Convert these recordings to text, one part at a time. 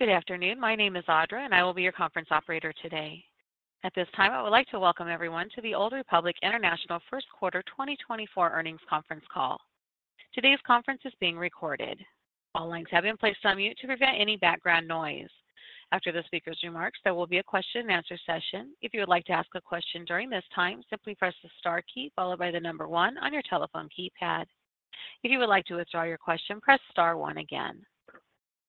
Good afternoon. My name is Audra, and I will be your conference operator today. At this time, I would like to welcome everyone to the Old Republic International first quarter 2024 earnings conference call. Today's conference is being recorded. All lines have been placed on mute to prevent any background noise. After the speaker's remarks, there will be a Q&A session. If you would like to ask a question during this time, simply press the star key followed by the number one on your telephone keypad. If you would like to withdraw your question, press star one again.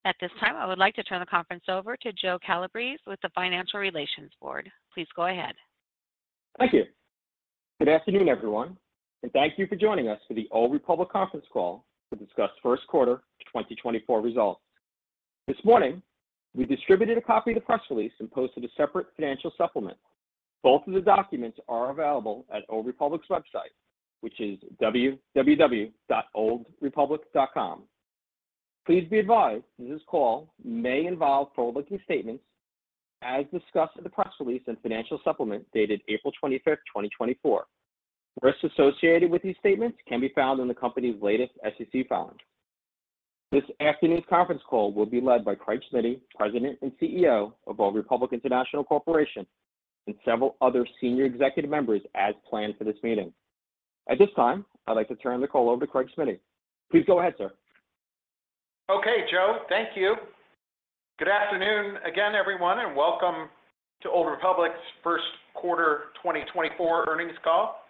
At this time, I would like to turn the conference over to Joe Calabrese with the Financial Relations Board. Please go ahead. Thank you. Good afternoon, everyone, and thank you for joining us for the Old Republic conference call to discuss first quarter 2024 results. This morning, we distributed a copy of the press release and posted a separate financial supplement. Both of the documents are available at Old Republic's website, which is www.oldrepublic.com. Please be advised that this call may involve forward-looking statements as discussed in the press release and financial supplement dated April 25th, 2024. Risks associated with these statements can be found in the company's latest SEC filings. This afternoon's conference call will be led by Craig Smiddy, President and CEO of Old Republic International Corporation, and several other senior executive members, as planned for this meeting. At this time, I'd like to turn the call over to Craig Smiddy. Please go ahead, sir. Okay, Joe. Thank you. Good afternoon again, everyone, and welcome to Old Republic's first quarter 2024 earnings call.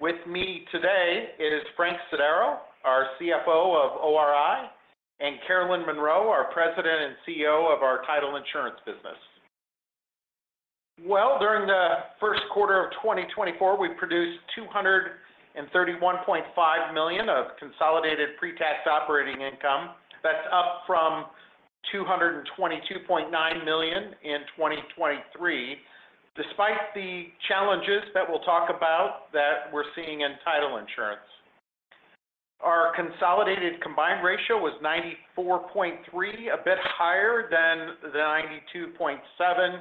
With me today is Frank Sodaro, our CFO of ORI, and Carolyn Monroe, our President and CEO of our Title Insurance business. Well, during the first quarter of 2024, we produced $231.5 million of consolidated pre-tax operating income. That's up from $222.9 million in 2023, despite the challenges that we'll talk about that we're seeing in Title Insurance. Our consolidated combined ratio was 94.3, a bit higher than the 92.7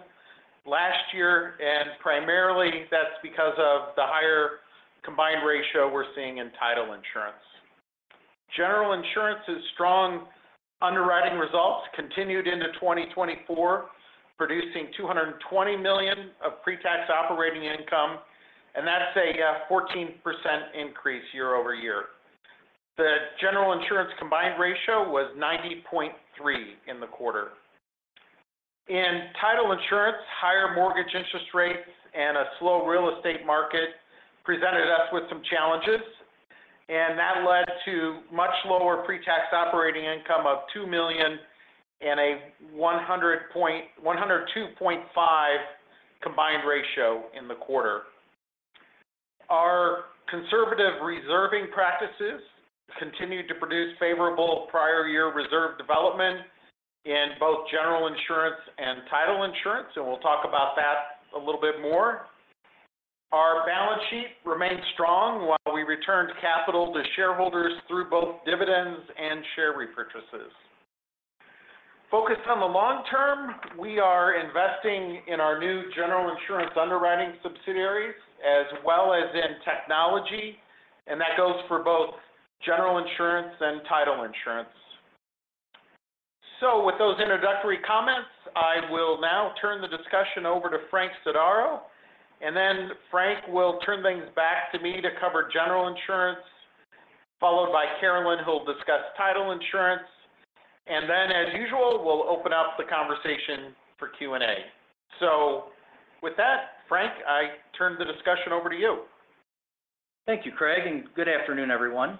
last year, and primarily that's because of the higher combined ratio we're seeing in Title Insurance. General Insurance's strong underwriting results continued into 2024, producing $220 million of pre-tax operating income, and that's a 14% increase year-over-year. The General Insurance combined ratio was 90.3 in the quarter. Title Insurance, higher mortgage interest rates, and a slow real estate market presented us with some challenges, and that led to much lower pre-tax operating income of $2 million and a 102.5 combined ratio in the quarter. Our conservative reserving practices continued to produce favorable prior-year reserve development in both General Insurance and Title Insurance, and we'll talk about that a little bit more. Our balance sheet remained strong while we returned capital to shareholders through both dividends and share repurchases. Focused on the long term, we are investing in our new General Insurance underwriting subsidiaries as well as in technology, and that goes for both General Insurance and Title Insurance. So with those introductory comments, I will now turn the discussion over to Frank Sodaro, and then Frank will turn things back to me to cover General Insurance, followed by Carolyn who'll discuss Title Insurance, and then, as usual, we'll open up the conversation for Q&A. So with that, Frank, I turn the discussion over to you. Thank you, Craig, and good afternoon, everyone.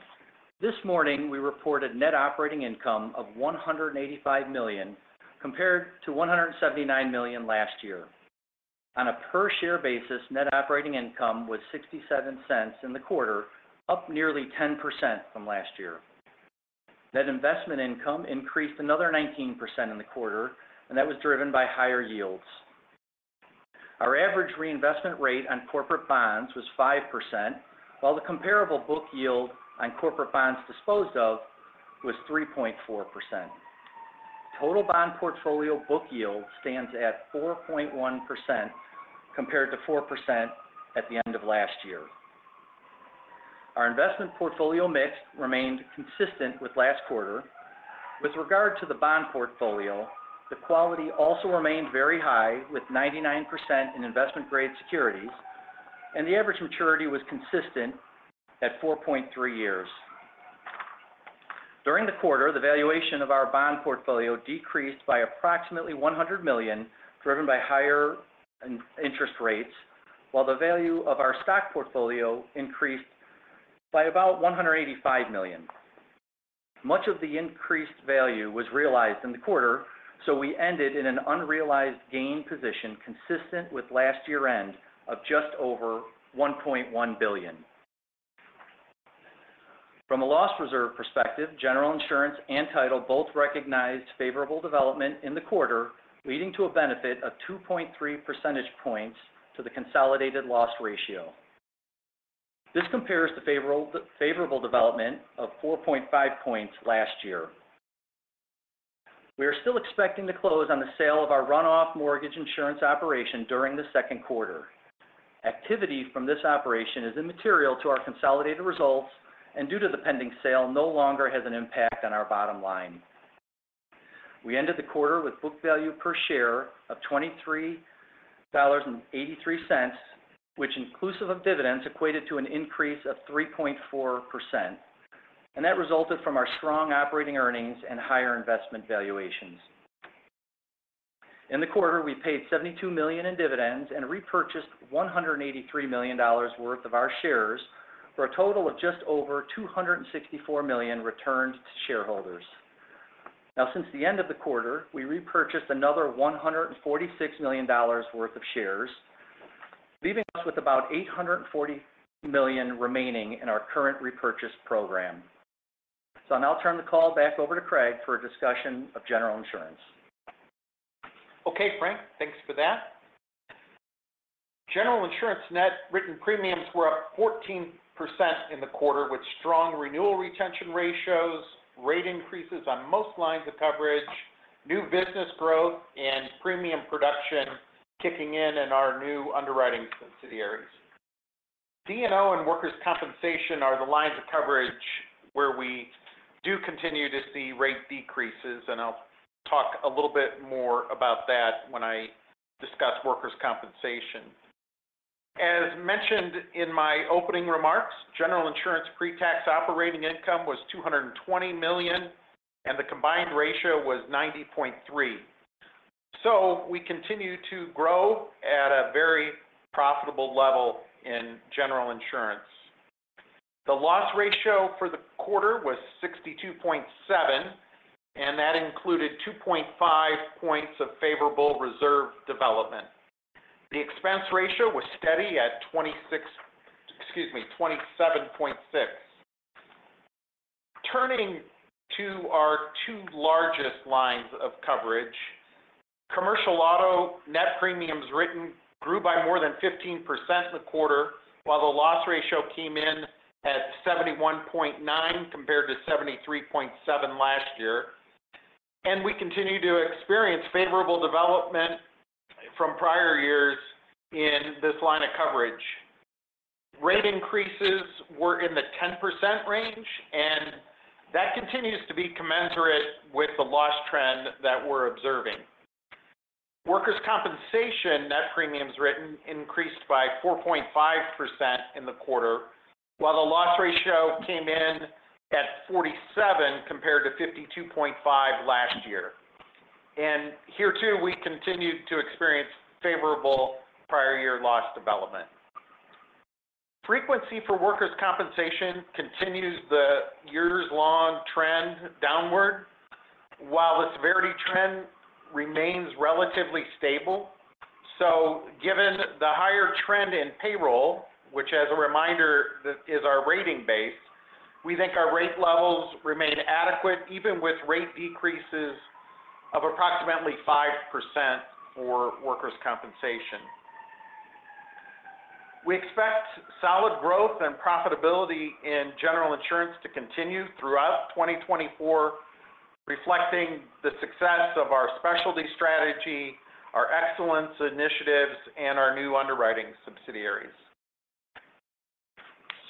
This morning, we reported net operating income of $185 million compared to $179 million last year. On a per-share basis, net operating income was $0.67 in the quarter, up nearly 10% from last year. Net investment income increased another 19% in the quarter, and that was driven by higher yields. Our average reinvestment rate on corporate bonds was 5%, while the comparable book yield on corporate bonds disposed of was 3.4%. Total bond portfolio book yield stands at 4.1% compared to 4% at the end of last year. Our investment portfolio mix remained consistent with last quarter. With regard to the bond portfolio, the quality also remained very high, with 99% in investment-grade securities, and the average maturity was consistent at 4.3 years. During the quarter, the valuation of our bond portfolio decreased by approximately $100 million, driven by higher interest rates, while the value of our stock portfolio increased by about $185 million. Much of the increased value was realized in the quarter, so we ended in an unrealized gain position consistent with last year's end of just over $1.1 billion. From a loss reserve perspective, General Insurance and title both recognized favorable development in the quarter, leading to a benefit of 2.3 percentage points to the consolidated loss ratio. This compares to favorable development of 4.5 points last year. We are still expecting to close on the sale of our runoff mortgage insurance operation during the second quarter. Activity from this operation is immaterial to our consolidated results, and due to the pending sale, no longer has an impact on our bottom line. We ended the quarter with book value per share of $23.83, which, inclusive of dividends, equated to an increase of 3.4%, and that resulted from our strong operating earnings and higher investment valuations. In the quarter, we paid $72 million in dividends and repurchased $183 million worth of our shares, for a total of just over $264 million returned to shareholders. Now, since the end of the quarter, we repurchased another $146 million worth of shares, leaving us with about $840 million remaining in our current repurchase program. So now I'll turn the call back over to Craig for a discussion of General Insurance. Okay, Frank, thanks for that. General Insurance net written premiums were up 14% in the quarter, with strong renewal retention ratios, rate increases on most lines of coverage, new business growth, and premium production kicking in in our new underwriting subsidiaries. D&O and workers' compensation are the lines of coverage where we do continue to see rate decreases, and I'll talk a little bit more about that when I discuss workers' compensation. As mentioned in my opening remarks, General Insurance pre-tax operating income was $220 million, and the combined ratio was 90.3. So we continue to grow at a very profitable level in General Insurance. The loss ratio for the quarter was 62.7, and that included 2.5 points of favorable reserve development. The expense ratio was steady at 27.6. Turning to our two largest lines of coverage, commercial auto net premiums written grew by more than 15% in the quarter, while the loss ratio came in at 71.9 compared to 73.7 last year, and we continue to experience favorable development from prior years in this line of coverage. Rate increases were in the 10% range, and that continues to be commensurate with the loss trend that we're observing. Workers' compensation net premiums written increased by 4.5% in the quarter, while the loss ratio came in at 47 compared to 52.5 last year. Here too, we continued to experience favorable prior-year loss development. Frequency for workers' compensation continues the years-long trend downward, while the severity trend remains relatively stable. So given the higher trend in payroll, which, as a reminder, is our rating base, we think our rate levels remain adequate, even with rate decreases of approximately 5% for workers' compensation. We expect solid growth and profitability in General Insurance to continue throughout 2024, reflecting the success of our specialty strategy, our excellence initiatives, and our new underwriting subsidiaries.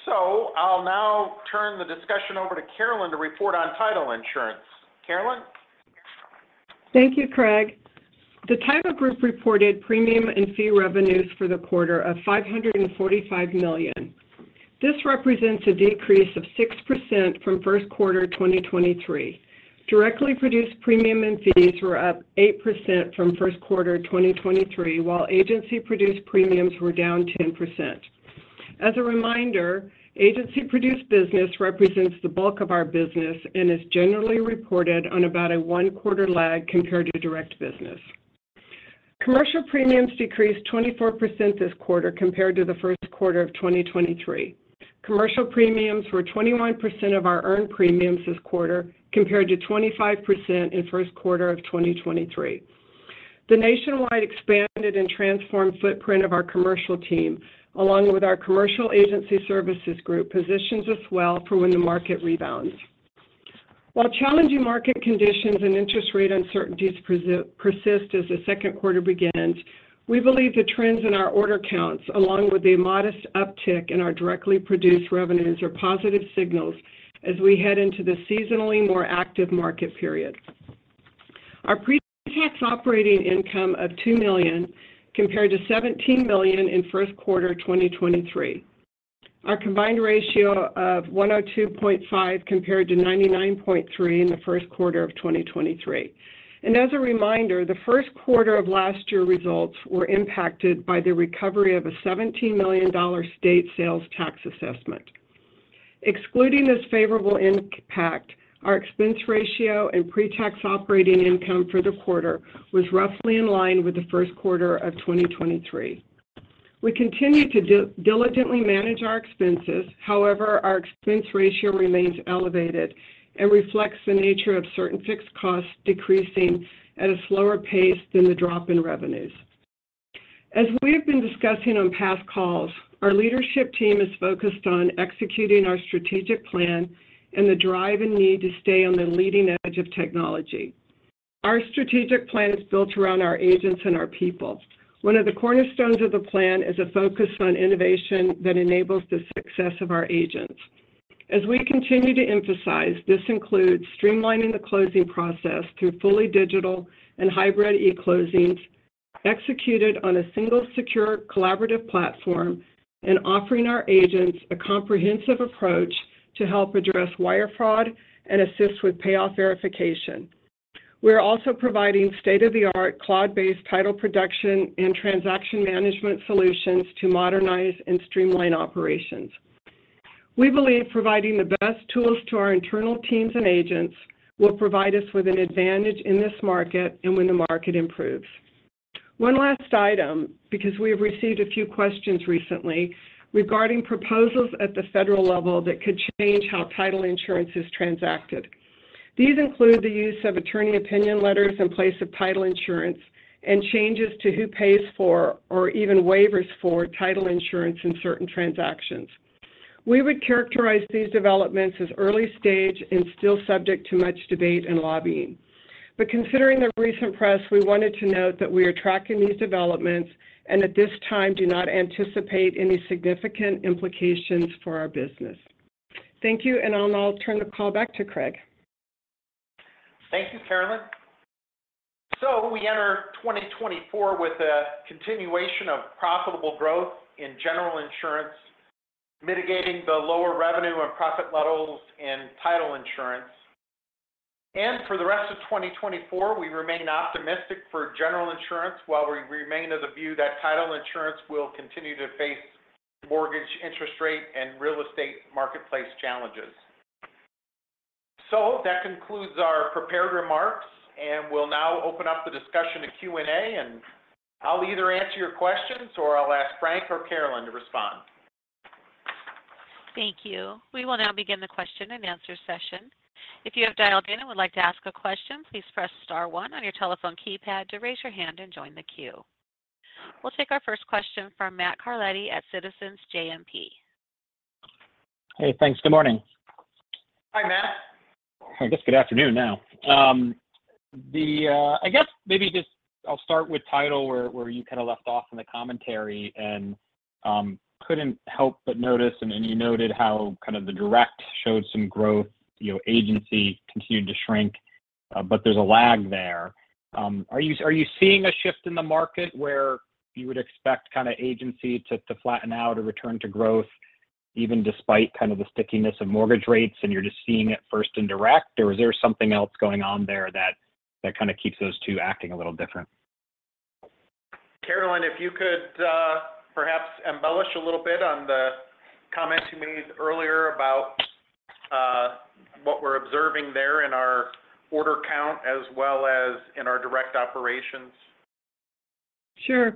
So I'll now turn the discussion over to Carolyn to report on Title Insurance. Carolyn? Thank you, Craig. The Title Group reported premium and fee revenues for the quarter of $545 million. This represents a decrease of 6% from first quarter 2023. Directly produced premium and fees were up 8% from first quarter 2023, while agency produced premiums were down 10%. As a reminder, agency produced business represents the bulk of our business and is generally reported on about a one-quarter lag compared to direct business. Commercial premiums decreased 24% this quarter compared to the first quarter of 2023. Commercial premiums were 21% of our earned premiums this quarter compared to 25% in first quarter of 2023. The nationwide expanded and transformed footprint of our commercial team, along with our commercial agency services group, positions us well for when the market rebounds. While challenging market conditions and interest rate uncertainties persist as the second quarter begins, we believe the trends in our order counts, along with the modest uptick in our directly produced revenues, are positive signals as we head into the seasonally more active market period. Our pre-tax operating income of $2 million compared to $17 million in first quarter 2023. Our combined ratio of 102.5 compared to 99.3 in the first quarter of 2023. As a reminder, the first quarter of last year's results were impacted by the recovery of a $17 million state sales tax assessment. Excluding this favorable impact, our expense ratio and pre-tax operating income for the quarter was roughly in line with the first quarter of 2023. We continue to diligently manage our expenses. However, our expense ratio remains elevated and reflects the nature of certain fixed costs decreasing at a slower pace than the drop in revenues. As we have been discussing on past calls, our leadership team is focused on executing our strategic plan and the drive and need to stay on the leading edge of technology. Our strategic plan is built around our agents and our people. One of the cornerstones of the plan is a focus on innovation that enables the success of our agents. As we continue to emphasize, this includes streamlining the closing process through fully digital and hybrid e-closings executed on a single secure collaborative platform and offering our agents a comprehensive approach to help address wire fraud and assist with payoff verification. We are also providing state-of-the-art cloud-based title production and transaction management solutions to modernize and streamline operations. We believe providing the best tools to our internal teams and agents will provide us with an advantage in this market and when the market improves. One last item, because we have received a few questions recently, regarding proposals at the federal level that could change how Title Insurance is transacted. These include the use of attorney opinion letters in place of Title Insurance and changes to who pays for or even waivers for Title Insurance in certain transactions. We would characterize these developments as early-stage and still subject to much debate and lobbying. But considering the recent press, we wanted to note that we are tracking these developments and at this time do not anticipate any significant implications for our business. Thank you, and I'll now turn the call back to Craig. Thank you, Carolyn. So we enter 2024 with a continuation of profitable growth in General Insurance, mitigating the lower revenue and profit levels in Title Insurance. And for the rest of 2024, we remain optimistic for General Insurance while we remain of the view that Title Insurance will continue to face mortgage interest rate and real estate marketplace challenges. So that concludes our prepared remarks, and we'll now open up the discussion to Q&A, and I'll either answer your questions or I'll ask Frank or Carolyn to respond. Thank you. We will now begin the Q&A session. If you have dialed in and would like to ask a question, please press star one on your telephone keypad to raise your hand and join the queue. We'll take our first question from Matt Carletti at Citizens JMP. Hey, thanks. Good morning. Hi, Matt. I guess good afternoon now. I guess maybe just I'll start with title, where you kind of left off in the commentary and couldn't help but notice, and you noted how kind of the direct showed some growth, agency continued to shrink, but there's a lag there. Are you seeing a shift in the market where you would expect kind of agency to flatten out or return to growth, even despite kind of the stickiness of mortgage rates, and you're just seeing it first and direct, or is there something else going on there that kind of keeps those two acting a little different? Carolyn, if you could perhaps embellish a little bit on the comment you made earlier about what we're observing there in our order count as well as in our direct operations. Sure.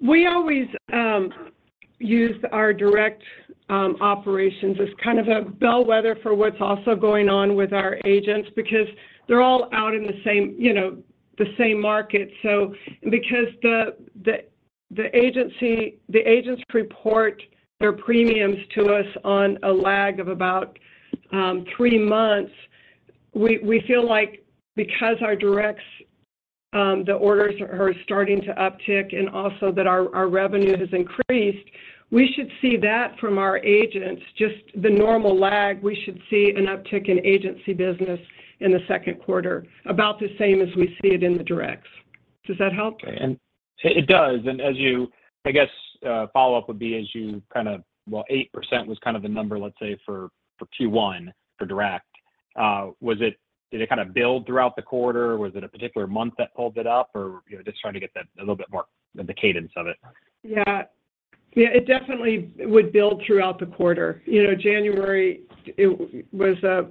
We always use our direct operations as kind of a bellwether for what's also going on with our agents because they're all out in the same market. And because the agents report their premiums to us on a lag of about three months, we feel like because our directs, the orders are starting to uptick, and also that our revenue has increased, we should see that from our agents, just the normal lag, we should see an uptick in agency business in the second quarter, about the same as we see it in the directs. Does that help? Okay. And it does. And as you, I guess, follow up would be as you kind of, well, 8% was kind of the number, let's say, for Q1, for direct. Did it kind of build throughout the quarter? Was it a particular month that pulled it up, or just trying to get that a little bit more of the cadence of it? Yeah. Yeah, it definitely would build throughout the quarter. January was a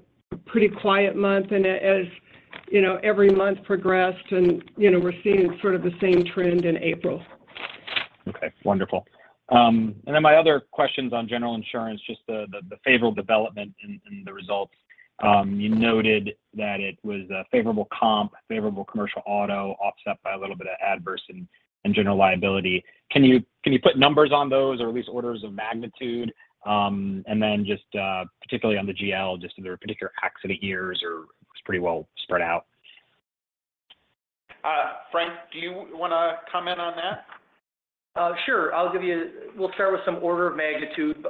pretty quiet month, and as every month progressed, we're seeing sort of the same trend in April. Okay. Wonderful. And then my other questions on General Insurance, just the favorable development in the results. You noted that it was favorable comp, favorable commercial auto, offset by a little bit of adverse and general liability. Can you put numbers on those or at least orders of magnitude, and then just particularly on the GL, just if there were particular accident years or it was pretty well spread out? Frank, do you want to comment on that? Sure. I'll give you. We'll start with some order of magnitude.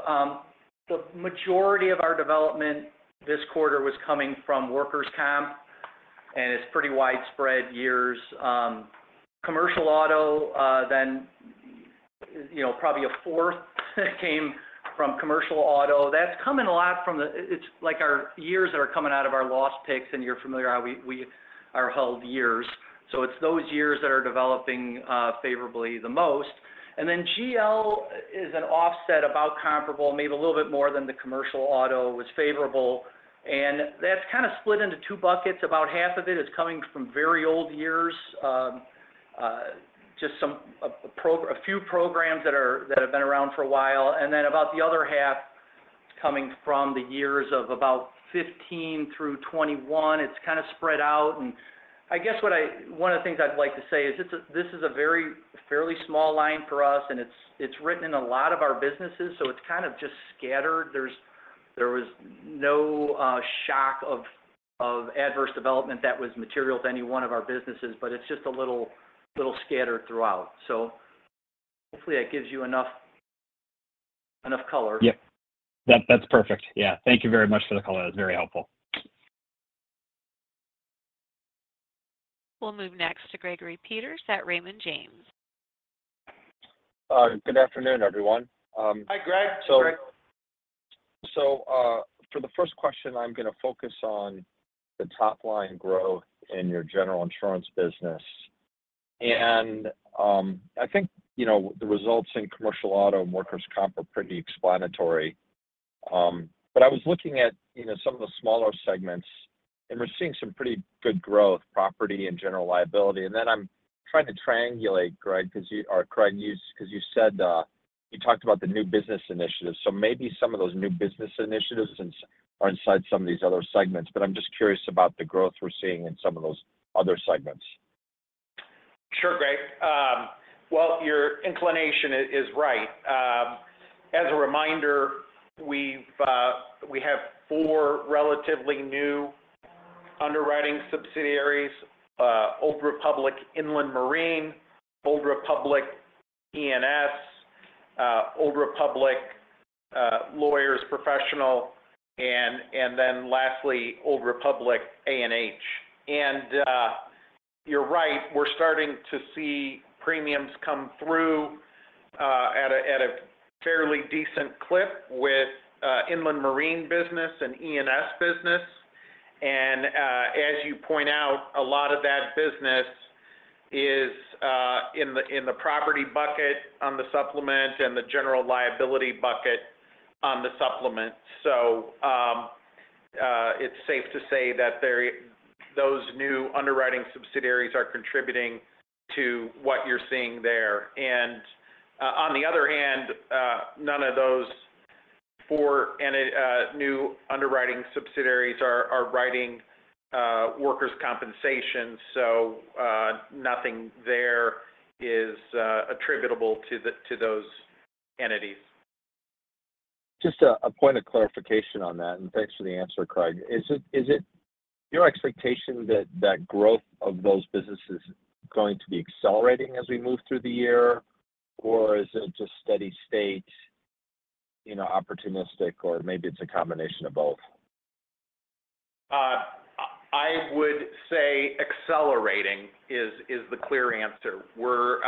The majority of our development this quarter was coming from workers' comp, and it's pretty widespread years. Commercial auto, then probably a fourth came from commercial auto. That's coming a lot from the—it's like our years that are coming out of our loss picks, and you're familiar how our held years. So it's those years that are developing favorably the most. And then GL is an offset about comparable, maybe a little bit more than the commercial auto was favorable. And that's kind of split into two buckets. About half of it is coming from very old years, just a few programs that have been around for a while. And then about the other half, coming from the years of about 2015 through 2021, it's kind of spread out. I guess one of the things I'd like to say is this is a fairly small line for us, and it's written in a lot of our businesses, so it's kind of just scattered. There was no shock of adverse development that was material to any one of our businesses, but it's just a little scattered throughout. So hopefully, that gives you enough color. Yep. That's perfect. Yeah. Thank you very much for the color. That was very helpful. We'll move next to Gregory Peters at Raymond James. Good afternoon, everyone. Hi, Greg. For the first question, I'm going to focus on the top-line growth in your general insurance business. I think the results in commercial auto and workers' comp are pretty explanatory. I was looking at some of the smaller segments, and we're seeing some pretty good growth, property and general liability. Then I'm trying to triangulate, Greg, because you said you talked about the new business initiatives. Maybe some of those new business initiatives are inside some of these other segments, but I'm just curious about the growth we're seeing in some of those other segments. Sure, Greg. Well, your inclination is right. As a reminder, we have four relatively new underwriting subsidiaries: Old Republic Inland Marine, Old Republic E&S, Old Republic Lawyers Professional, and then lastly, Old Republic A&H. And you're right. We're starting to see premiums come through at a fairly decent clip with Inland Marine business and E&S business. And as you point out, a lot of that business is in the property bucket on the supplement and the general liability bucket on the supplement. So it's safe to say that those new underwriting subsidiaries are contributing to what you're seeing there. And on the other hand, none of those four new underwriting subsidiaries are writing workers' compensation, so nothing there is attributable to those entities. Just a point of clarification on that, and thanks for the answer, Craig. Is it your expectation that growth of those businesses is going to be accelerating as we move through the year, or is it just steady state, opportunistic, or maybe it's a combination of both? I would say accelerating is the clear answer. We're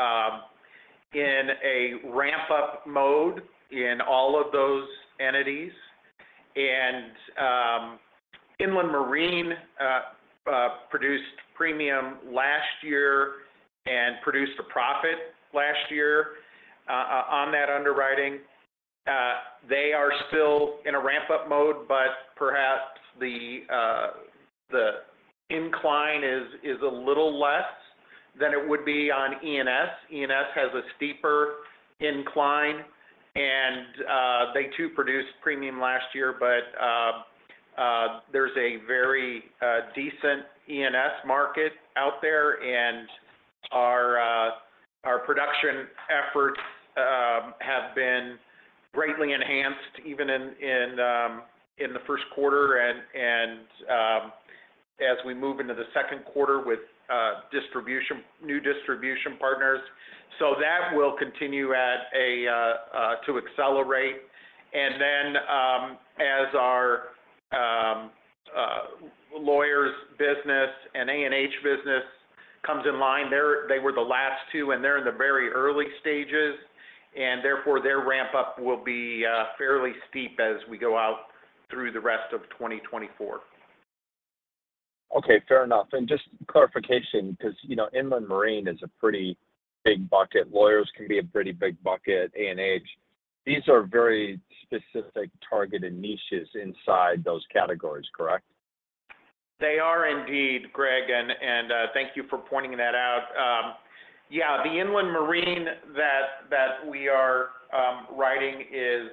in a ramp-up mode in all of those entities. And Inland Marine produced premium last year and produced a profit last year on that underwriting. They are still in a ramp-up mode, but perhaps the incline is a little less than it would be on E&S. E&S has a steeper incline, and they too produced premium last year, but there's a very decent E&S market out there, and our production efforts have been greatly enhanced, even in the first quarter, and as we move into the second quarter with new distribution partners. So that will continue to accelerate. And then as our lawyers' business and A&H business comes in line, they were the last two, and they're in the very early stages, and therefore, their ramp-up will be fairly steep as we go out through the rest of 2024. Okay. Fair enough. And just clarification, because Inland Marine is a pretty big bucket, lawyers can be a pretty big bucket, A&H, these are very specific targeted niches inside those categories, correct? They are indeed, Greg, and thank you for pointing that out. Yeah, the Inland Marine that we are writing is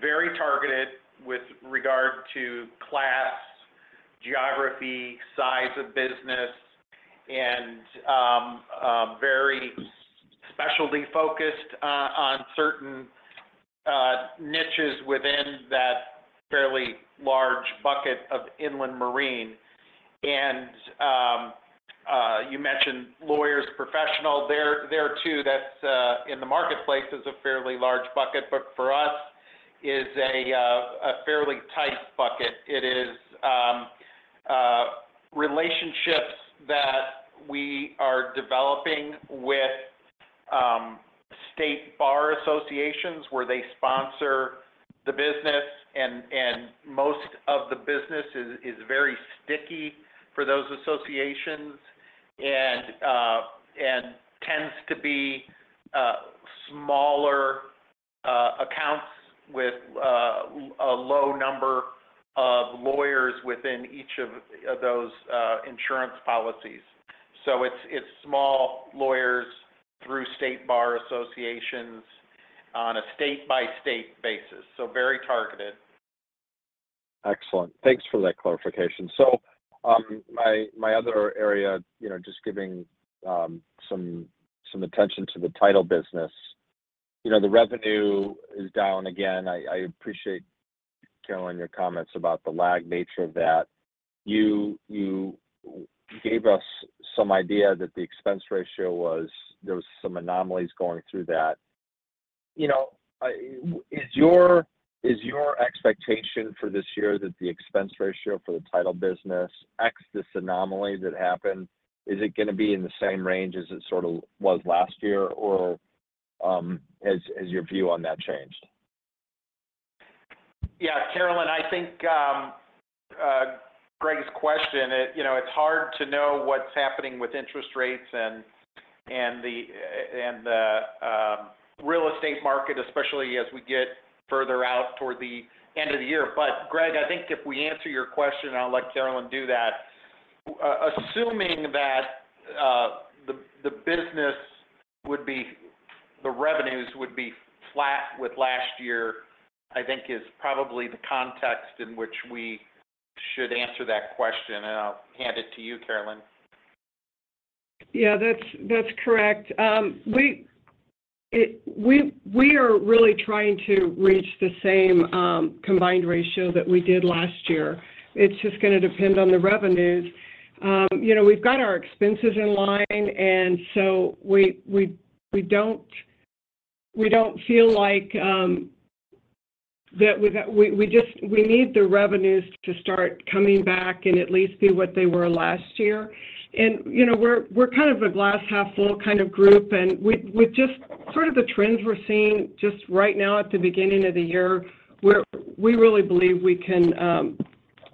very targeted with regard to class, geography, size of business, and very specialty-focused on certain niches within that fairly large bucket of Inland Marine. And you mentioned lawyers' professional. There too, that's in the marketplace as a fairly large bucket, but for us, is a fairly tight bucket. It is relationships that we are developing with state bar associations, where they sponsor the business, and most of the business is very sticky for those associations and tends to be smaller accounts with a low number of lawyers within each of those insurance policies. So it's small lawyers through state bar associations on a state-by-state basis, so very targeted. Excellent. Thanks for that clarification. So my other area, just giving some attention to the title business, the revenue is down again. I appreciate, Carolyn, your comments about the lag nature of that. You gave us some idea that the expense ratio was there were some anomalies going through that. Is your expectation for this year that the expense ratio for the title business, ex this anomaly that happened, is it going to be in the same range as it sort of was last year, or has your view on that changed? Yeah, Carolyn, I think Greg's question, it's hard to know what's happening with interest rates and the real estate market, especially as we get further out toward the end of the year. But Greg, I think if we answer your question, and I'll let Carolyn do that, assuming that the business would be the revenues would be flat with last year, I think is probably the context in which we should answer that question, and I'll hand it to you, Carolyn. Yeah, that's correct. We are really trying to reach the same combined ratio that we did last year. It's just going to depend on the revenues. We've got our expenses in line, and so we don't feel like that we need the revenues to start coming back and at least be what they were last year. And we're kind of a glass-half-full kind of group, and with just sort of the trends we're seeing just right now at the beginning of the year, we really believe we can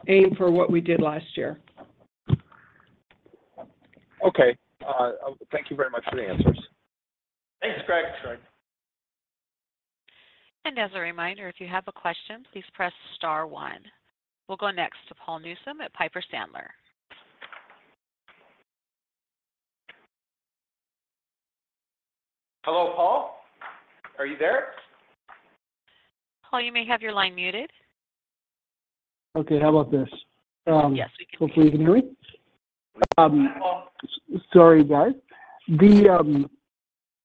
aim for what we did last year. Okay. Thank you very much for the answers. Thanks, Greg. As a reminder, if you have a question, please press star one. We'll go next to Paul Newsome at Piper Sandler. Hello, Paul? Are you there? Paul, you may have your line muted. Okay. How about this? Yes, we can hear you. Hopefully, you can hear me. Sorry, guys.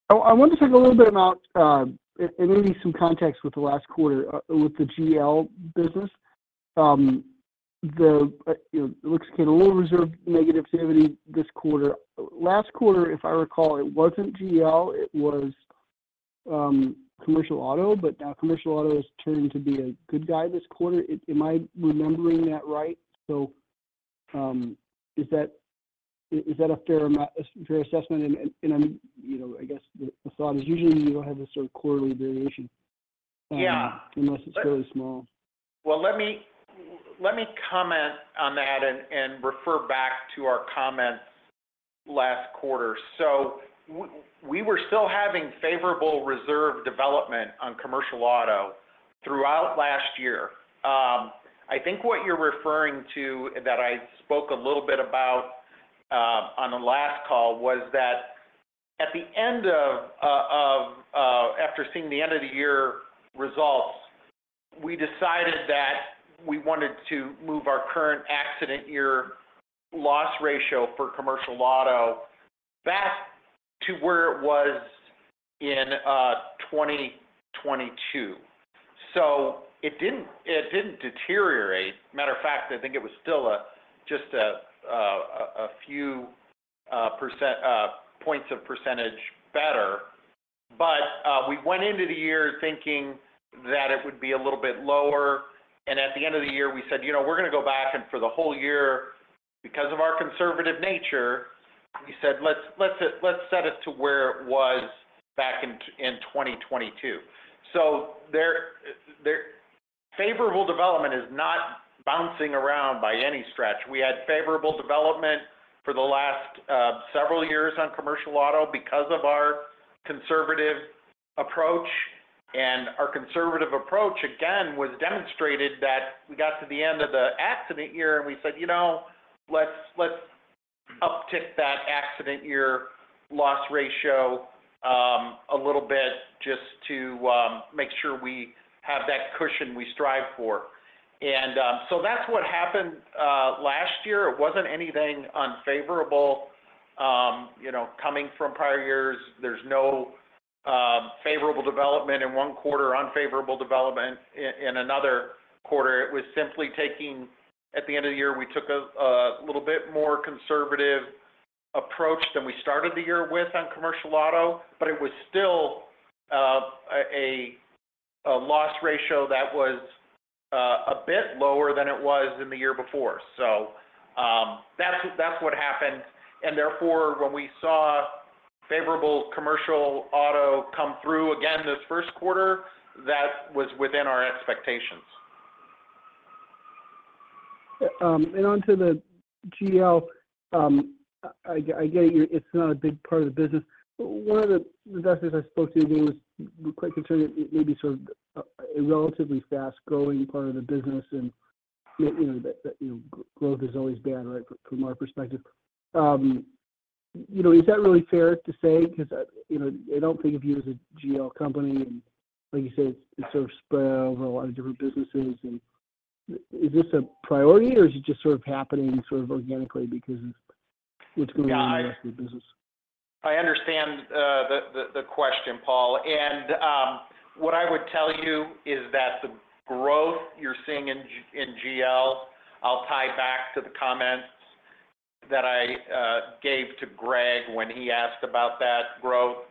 I wanted to talk a little bit about and maybe some context with the last quarter with the GL business. It looks like you had a little reserve negativity this quarter. Last quarter, if I recall, it wasn't GL. It was Commercial Auto, but now Commercial Auto has turned to be a good guy this quarter. Am I remembering that right? So is that a fair assessment? And I guess the thought is usually you don't have this sort of quarterly variation unless it's really small. Yeah. Well, let me comment on that and refer back to our comments last quarter. So we were still having favorable reserve development on commercial auto throughout last year. I think what you're referring to that I spoke a little bit about on the last call was that at the end, after seeing the end-of-the-year results, we decided that we wanted to move our current accident-year loss ratio for commercial auto back to where it was in 2022. So it didn't deteriorate. Matter of fact, I think it was still just a few percentage points better. But we went into the year thinking that it would be a little bit lower, and at the end of the year, we said, "We're going to go back," and for the whole year, because of our conservative nature, we said, "Let's set it to where it was back in 2022." So favorable development is not bouncing around by any stretch. We had favorable development for the last several years on commercial auto because of our conservative approach. And our conservative approach, again, was demonstrated that we got to the end of the accident year, and we said, "Let's uptick that accident-year loss ratio a little bit just to make sure we have that cushion we strive for." And so that's what happened last year. It wasn't anything unfavorable coming from prior years. There's no favorable development in one quarter, unfavorable development in another quarter. It was simply taking at the end of the year, we took a little bit more conservative approach than we started the year with on commercial auto, but it was still a loss ratio that was a bit lower than it was in the year before. So that's what happened. And therefore, when we saw favorable commercial auto come through again this first quarter, that was within our expectations. Onto the GL, I get it. It's not a big part of the business. One of the investors I spoke to again was quite concerned that it may be sort of a relatively fast-growing part of the business, and growth is always bad, right, from our perspective. Is that really fair to say? Because I don't think of you as a GL company, and like you said, it's sort of spread out over a lot of different businesses. And is this a priority, or is it just sort of happening sort of organically because of what's going on in the rest of the business? I understand the question, Paul. What I would tell you is that the growth you're seeing in GL, I'll tie back to the comments that I gave to Greg when he asked about that growth.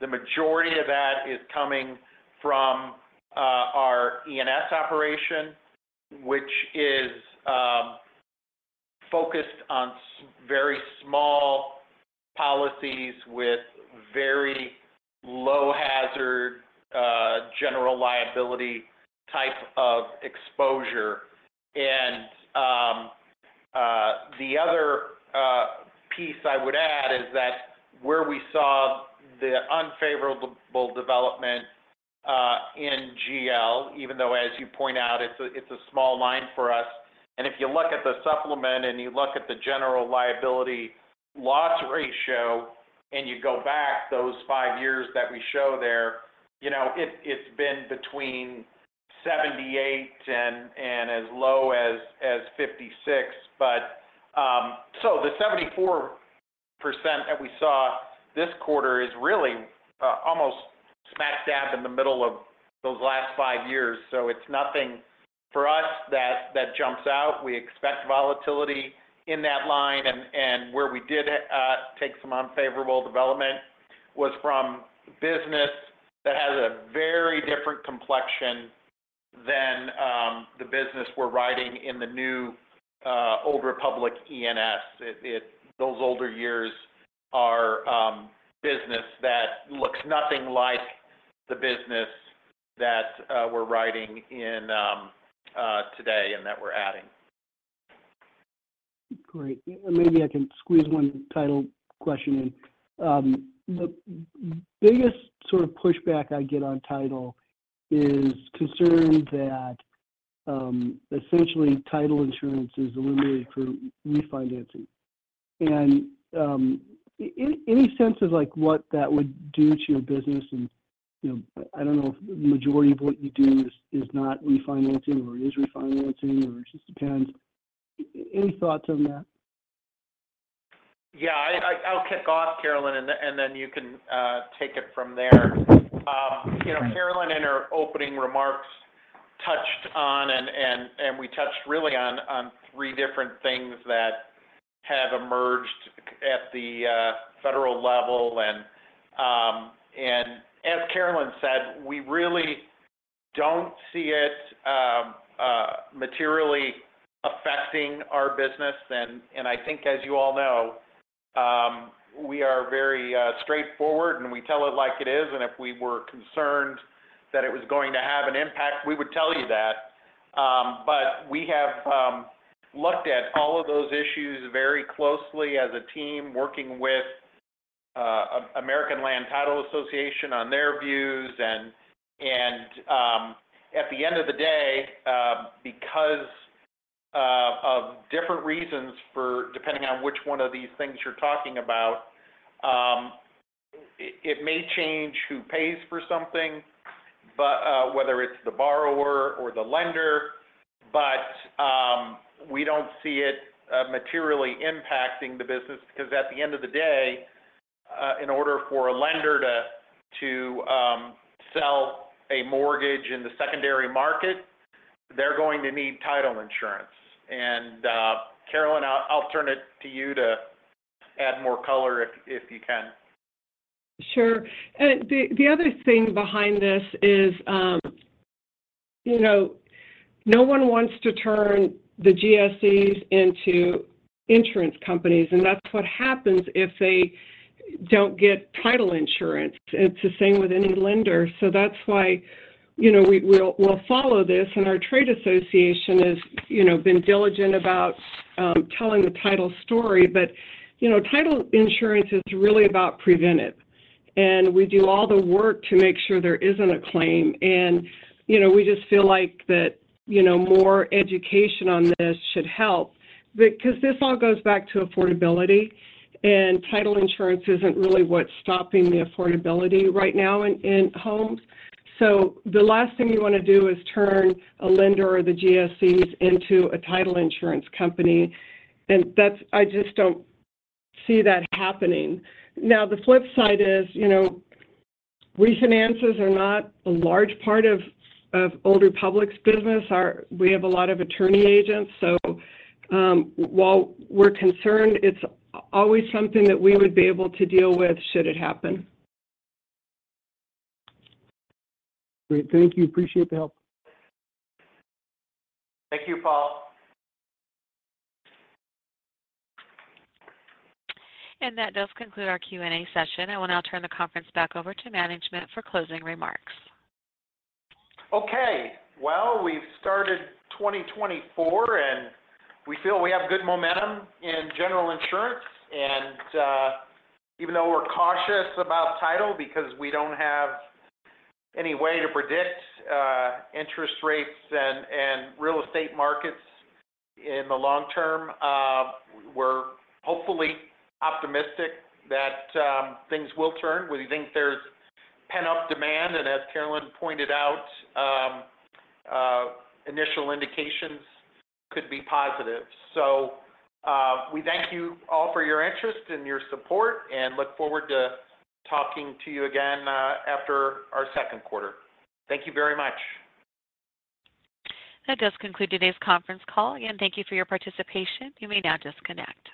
The majority of that is coming from our E&S operation, which is focused on very small policies with very low-hazard, general liability type of exposure. The other piece I would add is that where we saw the unfavorable development in GL, even though, as you point out, it's a small line for us. If you look at the supplement and you look at the General Liability Loss Ratio and you go back those five years that we show there, it's been between 78% and as low as 56%. The 74% that we saw this quarter is really almost smack-dab in the middle of those last five years. So it's nothing for us that jumps out. We expect volatility in that line, and where we did take some unfavorable development was from business that has a very different complexion than the business we're writing in the new Old Republic E&S. Those older years are business that looks nothing like the business that we're writing in today and that we're adding. Great. And maybe I can squeeze one title question in. The biggest sort of pushback I get on title is concern that, essentially, Title Insurance is eliminated for refinancing. And any sense of what that would do to your business? And I don't know if the majority of what you do is not refinancing or is refinancing, or it just depends. Any thoughts on that? Yeah. I'll kick off, Carolyn, and then you can take it from there. Carolyn, in her opening remarks, touched on, and we touched really on, three different things that have emerged at the federal level. As Carolyn said, we really don't see it materially affecting our business. I think, as you all know, we are very straightforward, and we tell it like it is. If we were concerned that it was going to have an impact, we would tell you that. But we have looked at all of those issues very closely as a team, working with American Land Title Association on their views. And at the end of the day, because of different reasons for depending on which one of these things you're talking about, it may change who pays for something, whether it's the borrower or the lender, but we don't see it materially impacting the business. Because at the end of the day, in order for a lender to sell a mortgage in the secondary market, they're going to need Title Insurance. And Carolyn, I'll turn it to you to add more color if you can. Sure. And the other thing behind this is no one wants to turn the GSEs into insurance companies, and that's what happens if they don't get Title Insurance. It's the same with any lender. So that's why we'll follow this. And our trade association has been diligent about telling the title story, but Title Insurance is really about preventive. And we do all the work to make sure there isn't a claim, and we just feel like that more education on this should help. Because this all goes back to affordability, and Title Insurance isn't really what's stopping the affordability right now in homes. So the last thing you want to do is turn a lender or the GSEs into a Title Insurance company, and I just don't see that happening. Now, the flip side is refinances are not a large part of Old Republic's business. We have a lot of attorney agents, so while we're concerned, it's always something that we would be able to deal with should it happen. Great. Thank you. Appreciate the help. Thank you, Paul. That does conclude our Q&A session. I will now turn the conference back over to management for closing remarks. Okay. Well, we've started 2024, and we feel we have good momentum in general insurance. Even though we're cautious about title because we don't have any way to predict interest rates and real estate markets in the long term, we're hopefully optimistic that things will turn. We think there's pent-up demand, and as Carolyn pointed out, initial indications could be positive. We thank you all for your interest and your support, and look forward to talking to you again after our second quarter. Thank you very much. That does conclude today's conference call. Again, thank you for your participation. You may now disconnect.